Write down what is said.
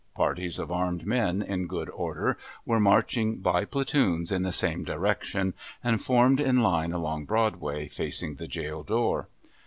Parties of armed men, in good order, were marching by platoons in the same direction; and formed in line along Broadway, facing the jail door.